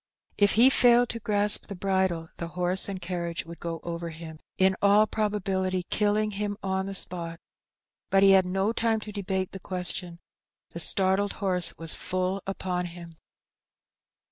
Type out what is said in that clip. If he failed to grasp the bridle the horse and carriage would go over him, in all probability killing him on the spot; but he had no time to debate the question, the startled horse was full upon him.